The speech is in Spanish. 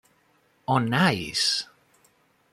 On Ice!